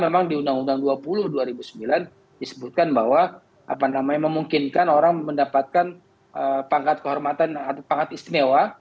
memungkinkan orang mendapatkan pangkat kehormatan atau pangkat istimewa